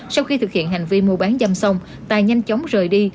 sau khi thực hiện hành vi mua bán dâm xong tài nhanh chóng rời đi